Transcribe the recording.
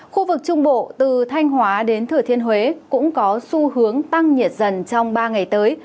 khu vực trung bộ từ thanh hóa đến thừa thiên huế cũng có xu hướng tăng nhiệt dần trong ba ngày tới